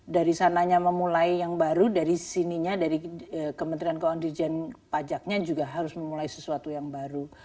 dari sananya memulai yang baru dari kementerian keundirian pajaknya juga harus memulai sesuatu yang baru